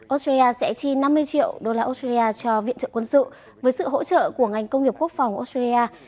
australia sẽ chi năm mươi triệu đô la australia cho viện trợ quân sự với sự hỗ trợ của ngành công nghiệp quốc phòng australia